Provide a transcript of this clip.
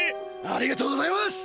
ありがとうございます！